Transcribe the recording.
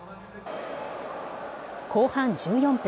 後半１４分。